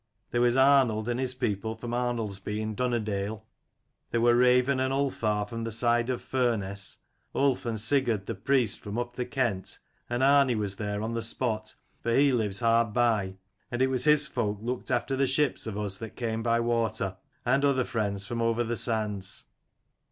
There was Arnold and his people from Arnoldsby in Dunnerdale : there were Raven and Ulfar from this side of Furness: Ulf and Sigurd the priest from up the Kent ; and Arni was there on the spot, for he lives hard by, and it was his folk looked after the ships of us that came by water; and other friends from over the sands.